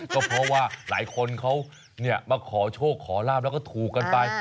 ก็เพราะว่าหลายคนเขามาขอโชคขอลาบแล้วก็ถูกกันไป